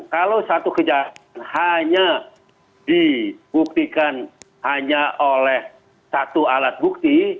kalau satu kejahatan hanya dibuktikan hanya oleh satu alat bukti